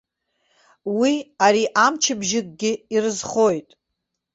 Уи ари амчыбжьыкгьы ирызхоит.